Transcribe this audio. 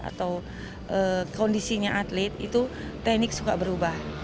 atau kondisinya atlet itu teknik suka berubah